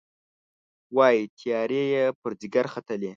وايي، تیارې یې پر ځيګر ختلي